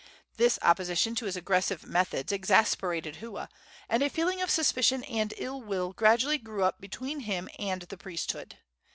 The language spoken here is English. This opposition to his aggressive methods exasperated Hua, and a feeling of suspicion and ill will gradually grew up between him and the priesthood.